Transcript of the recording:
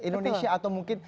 indonesia atau mungkin